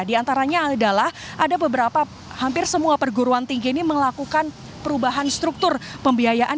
di antaranya adalah ada beberapa hampir semua perguruan tinggi ini melakukan perubahan struktur pembiayaan